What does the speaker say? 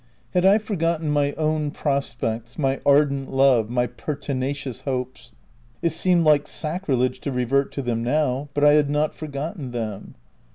Had I forgotten my own prospects, my ar dent love, my pertinacious hopes ? It seemed like sacrilege to revert to them now, but I had not forgotten them.